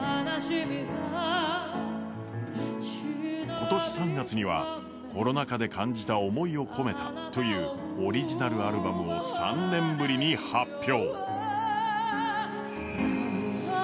今年３月にはコロナ禍で感じた思いを込めたというオリジナルアルバムを３年ぶりに発表。